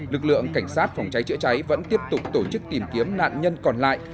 lực lượng cảnh sát phòng cháy chữa cháy vẫn tiếp tục tổ chức tìm kiếm nạn nhân còn lại